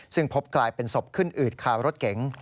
ซึ่งพบกลายเป็นศพขึ้นอืดคารถเก๋ง